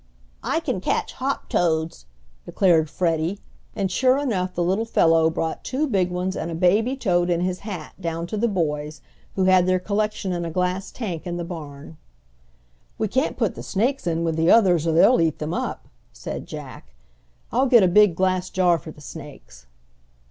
"I can catch hop toads," declared Freddie, and sure enough the little fellow brought two big ones and a baby toad in his hat down to the boys, who had their collection in a glass tank in the barn. "We can't put the snakes in with the others or they'll eat them up," said Jack. "I'll get a big glass jar for the snakes."